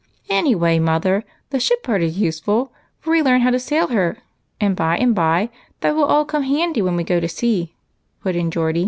"Any way, mother, the ship part is useful, for we learn how to sail her, and by and by that will all come handy when we go to sea," put in Geordie.